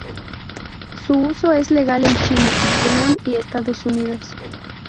Su uso es legal en China, Vietnam y Estados Unidos.